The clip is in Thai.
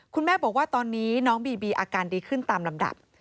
คุณแม่บอกว่าตอนนี้น้องบีบีอาการดีขึ้นตามลำดับ